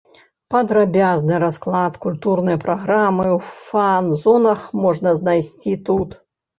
Падрабязны расклад культурнай праграмы ў фан-зонах можна знайсці тут.